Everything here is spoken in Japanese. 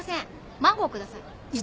マンゴー下さい。